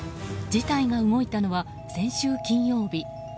事態が動いたのは、先週金曜日。